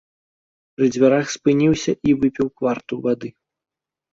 Пры дзвярах спыніўся і выпіў кварту вады.